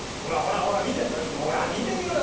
ほら見てみろよ！